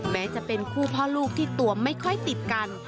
แม้จะเป็นคู่พ่อลูกที่ตัวไม่ค่อยติดกัน